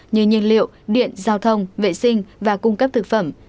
như nhiên liệu điện giao thông vệ sinh và cung cấp thực phẩm